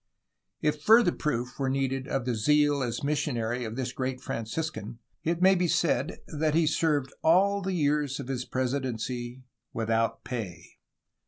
If further proof were needed of the zeal as a missionary of this great Franciscan it may be said that he served all the years of his presidency without pay.